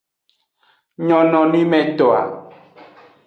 Nyononwimetoa.